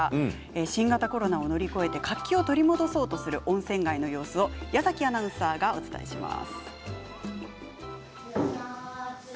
新型コロナを乗り越えて活気を取り戻そうとする町を温泉街の様子を矢崎アナウンサーがお伝えします。